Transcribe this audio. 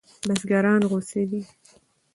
بزګران غوسه دي.